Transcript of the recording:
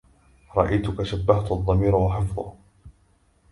رأيتك شبهت الضمير وحفظه